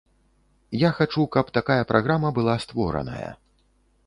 Я хачу, каб такая праграма была створаная.